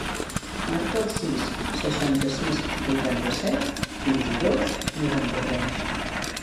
Marca el sis, seixanta-sis, vuitanta-set, vint-i-dos, noranta-tres.